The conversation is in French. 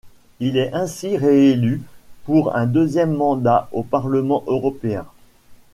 Il est ainsi réélu pour un deuxième mandat au Parlement européen.